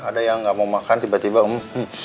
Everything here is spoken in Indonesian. ada yang enggak mau makan tiba tiba umpuh